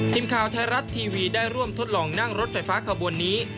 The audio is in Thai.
ทีมข่าวไทยรัฐทีวีได้ร่วมทดลองนั่งรถไฟฟ้าขบวนนี้